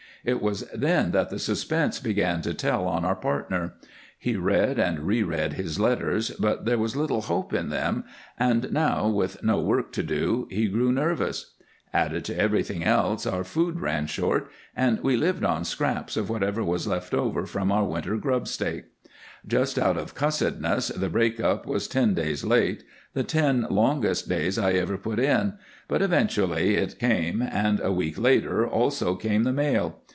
It was then that the suspense began to tell on our partner. He read and reread his letters, but there was little hope in them, and now, with no work to do, he grew nervous. Added to everything else, our food ran short, and we lived on scraps of whatever was left over from our winter grub stake. Just out of cussedness the break up was ten days late, the ten longest days I ever put in, but eventually it came, and a week later also came the mail.